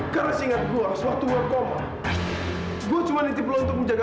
kakak benar benar sudah sadar kak